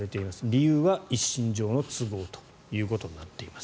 理由は一身上の都合ということになっています。